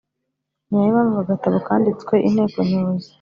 Ni na yo mpamvu aka gatabo kanditswe Inteko Nyobozi